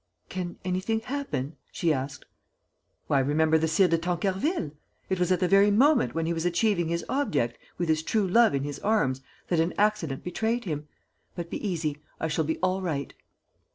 "Can anything happen?" she asked. "Why, remember the Sire de Tancarville! It was at the very moment when he was achieving his object, with his true love in his arms, that an accident betrayed him. But be easy: I shall be all right."